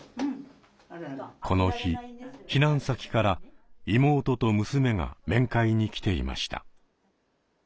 この日避難先から妹と娘が面会に来ていました。